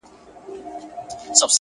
خیال دي،